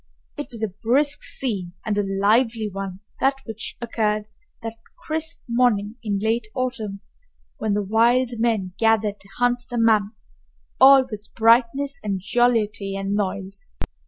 It was a brisk scene and a lively one, that which occurred that crisp morning in late autumn when the wild men gathered to hunt the mammoth. All was brightness and jollity and noise.